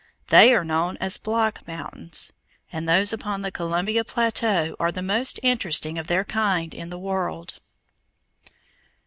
They are known as "block mountains," and those upon the Columbia plateau are the most interesting of their kind in the world.